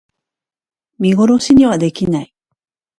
見殺しにはできない